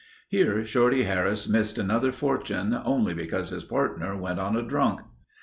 Here Shorty Harris missed another fortune only because his partner went on a drunk.